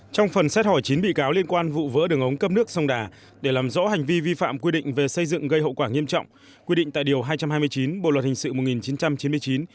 trong phần xét hỏi chín bị cáo liên quan vụ vỡ đường ống cấp nước sông đà để làm rõ hành vi vi phạm quy định về xây dựng gây hậu quả nghiêm trọng quy định tại điều hai trăm hai mươi chín bộ luật hình sự một nghìn chín trăm chín mươi chín